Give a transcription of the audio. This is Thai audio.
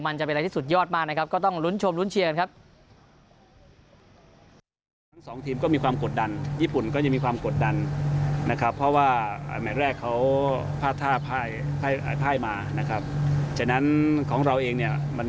มันจะเป็นอะไรที่สุดยอดมากนะครับก็ต้องลุ้นชมลุ้นเชียร์กันครับ